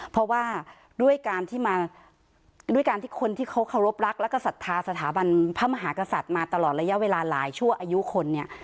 เพราะว่าด้วยการที่มาด้วยการที่คนที่เขาเคารพรักแล้วก็ศรัทธาสถาบันพระมหากษัตริย์มาตลอดระยะเวลาหลายชั่วอายุคนเนี่ย